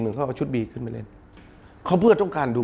มันเขาก็ชุดบีครึ่งมาเล่นเค้าเพื่อต้องการดู